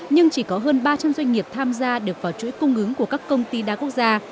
nhưng chỉ có hơn ba trăm linh doanh nghiệp tham gia được vào chuỗi cung ứng của các công ty đa quốc gia